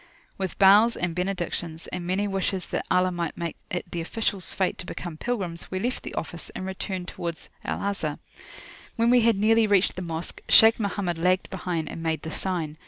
With bows, and benedictions, and many wishes that Allah might make it the officials' fate to become pilgrims, we left the office, and returned towards Al Azhar. When we had nearly reached the Mosque, Shaykh Mohammed lagged behind, and made the sign.